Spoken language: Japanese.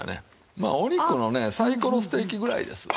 まあお肉のねサイコロステーキぐらいですわ。